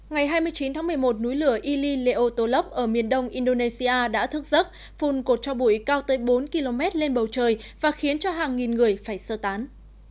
ngày hai mươi chín tháng một mươi một núi lửa ili leotolov ở miền đông indonesia đã thức giấc phun cột cho bụi cao tới bốn km lên bầu trời và khiến cho hàng nghìn người phải sơ tán